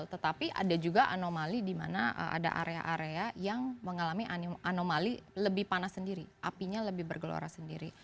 tetapi ada juga anomali di mana ada area area yang mengalami anomali lebih panas sendiri apinya lebih bergelora sendiri